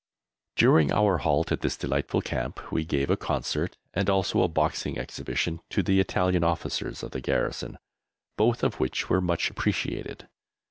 During our halt at this delightful camp we gave a concert and also a boxing exhibition to the Italian officers of the garrison, both of which were much appreciated.